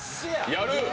やる？